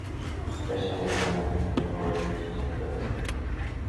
Fishing is limited to the lower reaches of the river.